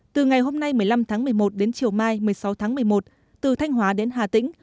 từ ngày hôm nay một mươi năm tháng một mươi một đến chiều mai một mươi sáu tháng một mươi một từ thanh hóa đến hà tĩnh